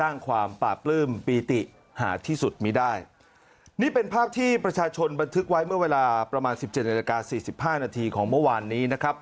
นี่เป็นภาพที่ประชาชนบันทึกไว้เมื่อเวลาประมาณ๑๗นาฬกา๔๕นาทีของเมื่อวานนี้นะครับ